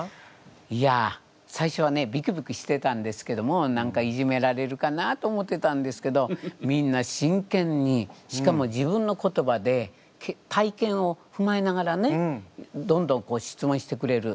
いや最初はねビクビクしてたんですけども何かいじめられるかなと思ってたんですけどみんな真剣にしかも自分の言葉で体験をふまえながらねどんどん質問してくれる。